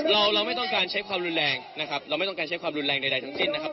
เราเราไม่ต้องการใช้ความรุนแรงนะครับเราไม่ต้องการใช้ความรุนแรงใดทั้งสิ้นนะครับ